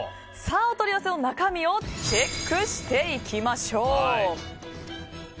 お取り寄せの中身をチェックしていきましょう。